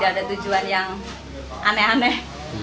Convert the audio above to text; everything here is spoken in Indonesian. gak ada tujuan yang aneh aneh